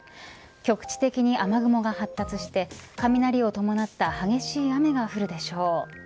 局地的に雨雲が発達して雷を伴った激しい雨が降るでしょう。